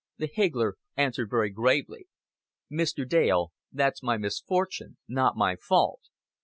The higgler answered very gravely. "Mr. Dale, that's my misfortune, not my fault.